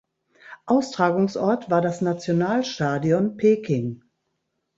Austragungsort war das Nationalstadion Peking.